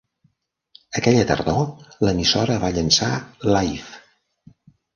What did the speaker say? Aquella tardor, la emissora va llençar Live!